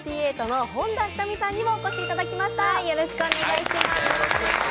ＡＫＢ４８の本田仁美さんにもお越しいただきました。